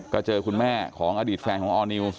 ก็เจอคุณแม่ของอดีตแฟนของออร์นิวส